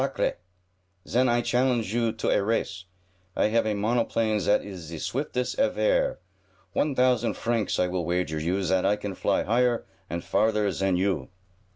Sacre! Zen I challenge you to a race. I have a monoplane zat is ze swiftest evaire! One thousand francs will I wager you, zat I can fly higher and farther zan you."